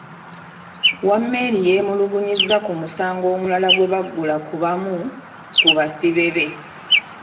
Wameli yeemulugunyizza ku musango omulala gwe baggula ku bamu ku basibe be.